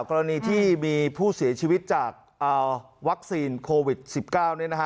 กรณีที่มีผู้เสียชีวิตจากเอ่อวัคซีนโควิดสิบเก้าเนี่ยนะฮะ